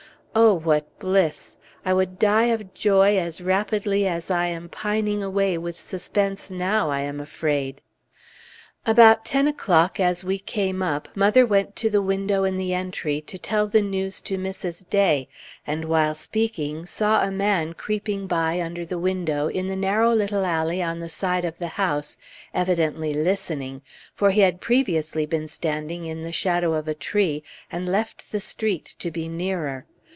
Oh, what bliss! I would die of joy as rapidly as I am pining away with suspense now, I am afraid! About ten o'clock, as we came up, mother went to the window in the entry to tell the news to Mrs. Day, and while speaking, saw a man creeping by under the window, in the narrow little alley on the side of the house, evidently listening, for he had previously been standing in the shadow of a tree, and left the street to be nearer.